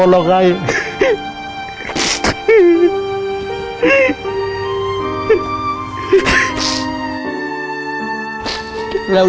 แล้วยู่ผมก็เยอะแล้ว